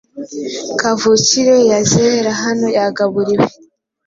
Kavukire yazerera hano yagaburiwe